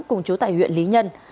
cùng chú tại huyện lý nhân